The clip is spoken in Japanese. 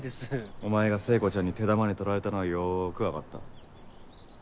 お前が聖子ちゃんに手玉に取られたのはよく分かった。